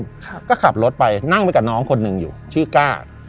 ครับก็ขับรถไปนั่งไปกับน้องคนหนึ่งอยู่ชื่อก้า